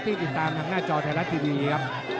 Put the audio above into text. ติดตามทางหน้าจอไทยรัฐทีวีครับ